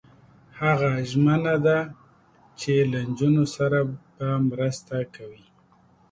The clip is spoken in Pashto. هغه ژمنه ده چې له نجونو سره به مرسته کوي.